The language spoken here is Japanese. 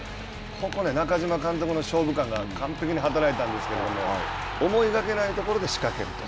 ここ、中嶋監督の勝負勘が完璧に働いたんですけれども思いがけないところで仕掛けると。